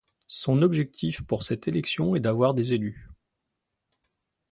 Son objectif pour cette élection est d'avoir des élus.